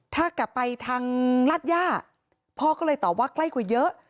ถ้ากลับไปทางราชย่าพ่อก็เลยตอบว่าใกล้กว่าเยอะ